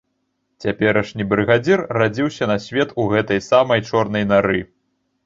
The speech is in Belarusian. Цяперашні брыгадзір радзіўся на свет у гэтай самай чорнай нары.